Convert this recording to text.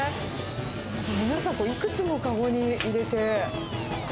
皆さん、いくつも籠に入れて。